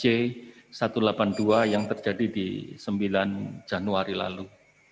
rilis ini adalah psj satu ratus delapan puluh dua yang terjadi di sembilan januari lalu